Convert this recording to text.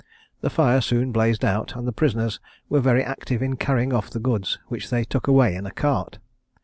The fire soon blazed out, and the prisoners were very active in carrying off the goods, which they took away in a cart.